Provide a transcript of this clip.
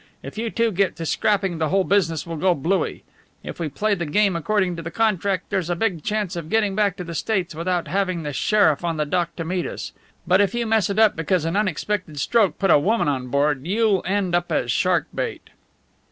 If you two get to scrapping the whole business will go blooey. If we play the game according to contract there's a big chance of getting back to the States without having the sheriff on the dock to meet us. But if you mess it up because an unexpected stroke put a woman on board, you'll end up as shark bait."